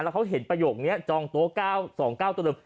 แล้วเขาเห็นประโยชน์นี้จองโต๊ะ๒๙๙๒ตัวเดิม